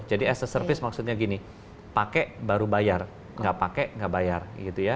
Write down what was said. jadi as a service maksudnya gini pakai baru bayar nggak pakai nggak bayar gitu ya